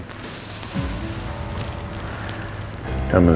apa yang ada di dalam diri